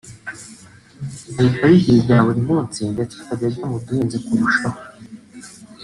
ahita abigira ibya buri munsi ndetse akajya mu duhenze kurushaho